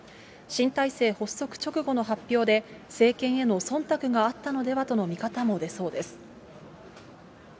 新体制発足直後の発表で、政権へのそんたくがあったのではとの見方も出そうです。